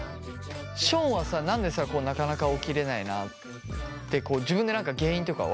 ションはさ何でさなかなか起きれないなって自分で何か原因とか分かる？